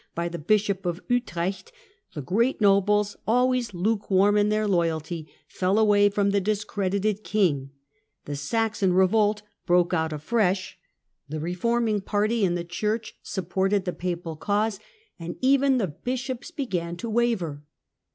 by the Bishop of Utrecht, the great nobles, always lukewarm in their loyalty, fell away from the discredited king, the Saxon revolt broke out afresh, THE WAR OF INVESTITURE 85 the reforming party in the Church supported the papal cause, and even the bishops began to waver.